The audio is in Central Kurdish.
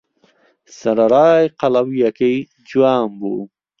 سەرەڕای قەڵەوییەکەی، جوان بوو.